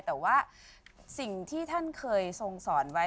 แต่ว่าสิ่งที่ท่านเคยทรงสอนไว้